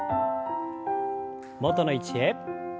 元の位置へ。